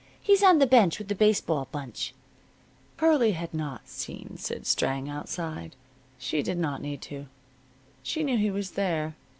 He's on the bench with the baseball bunch." Pearlie had not seen Sid Strang outside. She did not need to. She knew he was there.